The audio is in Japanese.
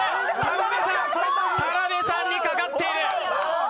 田辺さんにかかっている。